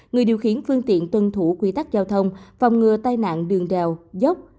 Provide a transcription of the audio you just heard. người điều khiển phương tiện tuân thủ quy tắc giao thông phòng ngừa tai nạn đường đèo dốc